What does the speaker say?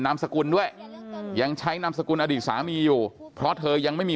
นามสกุลด้วยยังใช้นามสกุลอดีตสามีอยู่เพราะเธอยังไม่มี